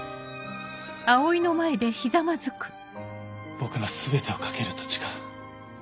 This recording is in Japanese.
僕の全てを懸けると誓う。